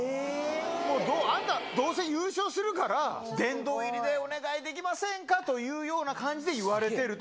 あんた、どうせ優勝するから、殿堂入りでお願いできませんか？という感じで言われてると。